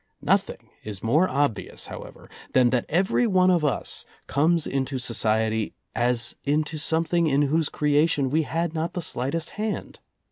Nothing is more obvious, however, than that every one of us comes into society as into some thing in whose creation we had not the slightest hand.